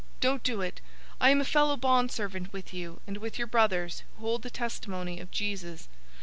Don't do it! I am a fellow bondservant with you and with your brothers who hold the testimony of Jesus.